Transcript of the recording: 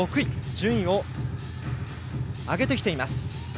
順位を上げてきています。